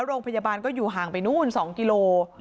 โรงพยาบาลอยู่หางไป๒กิโล